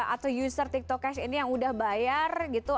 atau user tiktok cash ini yang udah bayar gitu